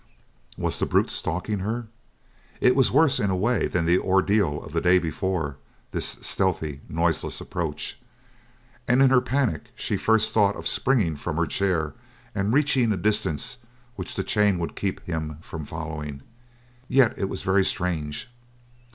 Was the brute stalking her? It was worse, in a way, than the ordeal of the day before, this stealthy, noiseless approach. And in her panic she first thought of springing from her chair and reaching a distance which the chain would keep him from following. Yet it was very strange.